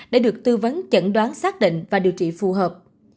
để được tư vấn chẩn đoán xác định và điều trị phù hợp